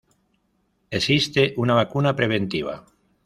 Existe una vacuna preventiva.